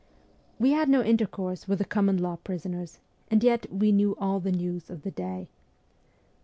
We had no intercourse with the common law prisoners, and yet we knew all the news of the day.